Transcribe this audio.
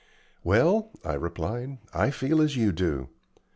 "Well," I replied, "I feel as you do.